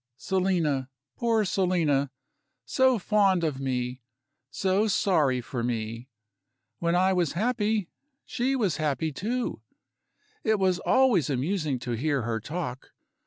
Selina poor Selina, so fond of me, so sorry for me. When I was happy, she was happy, too. It was always amusing to hear her talk.